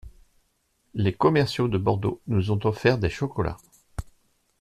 Les commerciaux de Bordeaux nous ont offert des chocolats.